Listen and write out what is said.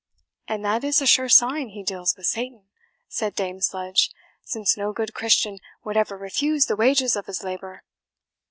"And that is a sure sign he deals with Satan," said Dame Sludge; "since no good Christian would ever refuse the wages of his labour."